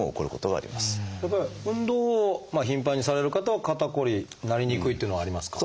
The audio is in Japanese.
やっぱり運動を頻繁にされる方は肩こりになりにくいっていうのはありますか？